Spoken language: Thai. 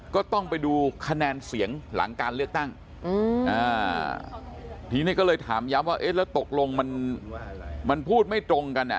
ก็ต้องไปดูคะแนนเสียงหลังการเลือกตั้งทีนี้ก็เลยถามย้ำว่าเอ๊ะแล้วตกลงมันพูดไม่ตรงกันอ่ะ